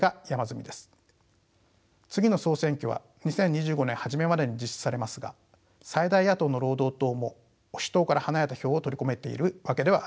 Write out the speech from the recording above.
次の総選挙は２０２５年初めまでに実施されますが最大野党の労働党も保守党から離れた票を取り込めているわけではありません。